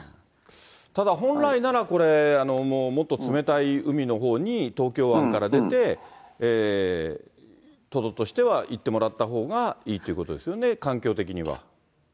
ただ本来ならこれ、もっと冷たい海のほうに東京湾から出て、トドとして入ってもらったほうがいいということですよね、環境的には。